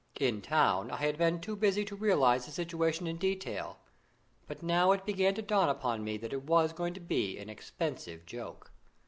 In town I had been too busy to realise the situation in detail; but now it began to dawn upon me that it was going to be an expensive joke.